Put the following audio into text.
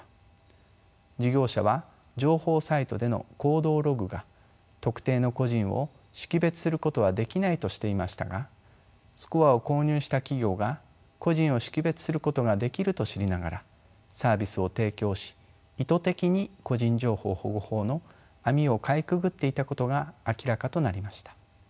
事業者は情報サイトでの行動ログが特定の個人を識別することはできないとしていましたがスコアを購入した企業が個人を識別することができると知りながらサービスを提供し意図的に個人情報保護法の網をかいくぐっていたことが明らかとなりました。